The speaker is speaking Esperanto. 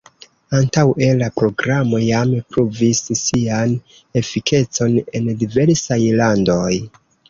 Antaŭe la Programo jam pruvis sian efikecon en diversaj landoj.